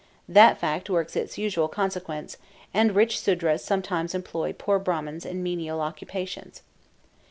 That fact works its usual consequence, and rich Sudras sometimes employ poor Brahmans in menial occupations.